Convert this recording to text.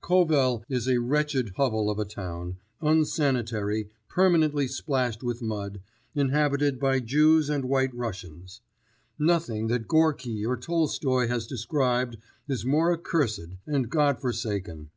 Kovel is a wretched hovel of a town, unsanitary, permanently splashed with mud, inhabited by Jews and White Russians. Nothing that Gorki or Tolstoi has described is more accursed and Godforsaken.